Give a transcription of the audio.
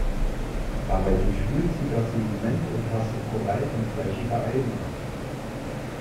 Dabei durchwühlt sie das Sediment und tastet Korallen und fleischige Algen ab.